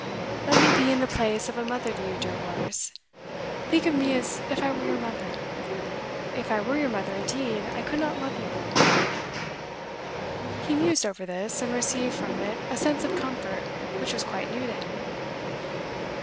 'Let me be in the place of a mother to you, dear Horace. Think of me as if I were your mother. If I were your mother indeed, I could not love you more.' He mused over this, and received from it a sense of comfort which was quite new to him.